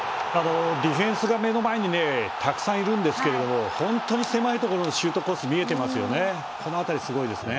ディフェンスが目の前にたくさんいるんですけど本当に狭いところでもシュートコース見えていますよね。